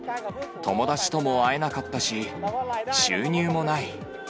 友達とも会えなかったし、収入もない。